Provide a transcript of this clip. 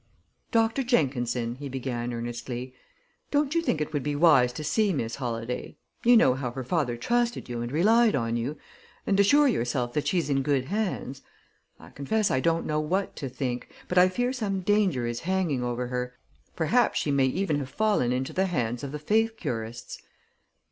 "Doctor Jenkinson," he began earnestly, "don't you think it would be wise to see Miss Holladay you know how her father trusted you, and relied on you and assure yourself that she's in good hands? I confess, I don't know what to think, but I fear some danger is hanging over her. Perhaps she may even have fallen into the hands of the faith curists."